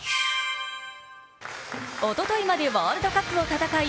おとといまでワールドカップを戦い